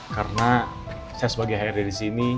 karena saya sebagai hrd di sini